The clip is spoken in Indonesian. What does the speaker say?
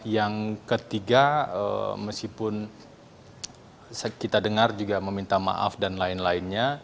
yang ketiga meskipun kita dengar juga meminta maaf dan lain lainnya